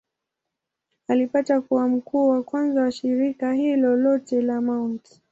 Alipata kuwa mkuu wa kwanza wa shirika hilo lote la Mt.